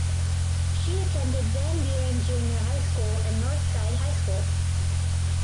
She attended Van Buren Junior High School and Northside High School.